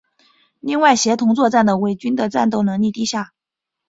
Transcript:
另外协同作战的伪军的战斗能力低下。